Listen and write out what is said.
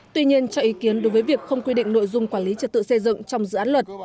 tuy nhiên cho ý kiến đối với việc không quy định nội dung quản lý trật tự xây dựng trong dự án luật